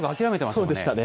そうでしたね。